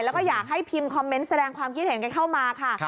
แล้วก็อยากให้พิมพ์คอมเมนต์แสดงความคิดเห็นกันเข้ามาค่ะ